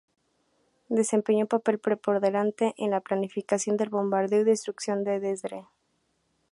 Desempeñó un papel preponderante en la planificación del bombardeo y destrucción de Dresde.